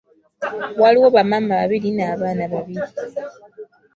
Waaliwo bamaama babiri n'abaana babiri.